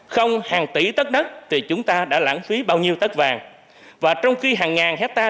không hàng tỷ tất đất thì chúng ta đã lãng phí bao nhiêu đất vàng và trong khi hàng ngàn hectare